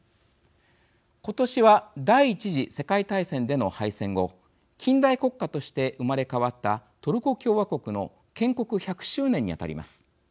今年は第１次世界大戦での敗戦後近代国家として生まれ変わったトルコ共和国の建国１００周年にあたります。